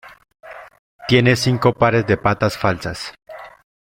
Tienen cinco pares de patas falsas.